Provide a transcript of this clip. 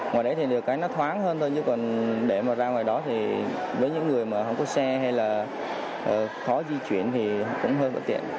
ngoài đấy thì được cái nó thoáng hơn thôi chứ còn để mà ra ngoài đó thì với những người mà không có xe hay là khó di chuyển thì cũng hơi bất tiện